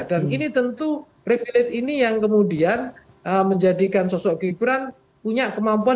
dan ini tentu repilet ini yang kemudian menjadikan sosok gibran punya kemampuan